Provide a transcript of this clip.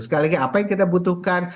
sekali lagi apa yang kita butuhkan